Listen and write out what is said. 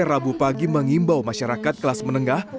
rabu pagi mengimbau masyarakat kelas menengah